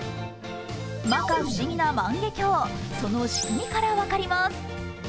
まか不思議な万華鏡、その仕組みから分かります。